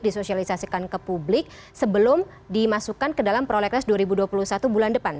disosialisasikan ke publik sebelum dimasukkan ke dalam prolegnas dua ribu dua puluh satu bulan depan